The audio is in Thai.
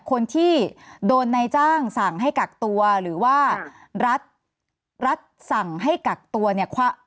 คนที่โดนในจ้างสั่งให้กักตัวหรือว่ารัฐรัฐสั่งให้กักตัวเนี่ย